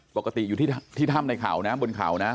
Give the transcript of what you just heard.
ปกติอยู่ที่ท่ามบนเข่านะ